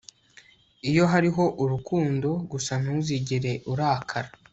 Iyo hariho urukundo gusa ntuzigere urakara